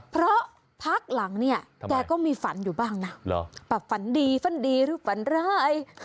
เพราะพักหลังเนี่ยแกก็มีฝันอยู่บ้างนะแบบฝันดีฝันดีหรือฝันร้าย